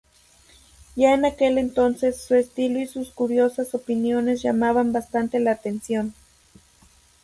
Ya en aquel entonces, su estilo y sus curiosas opiniones llamaban bastante la atención.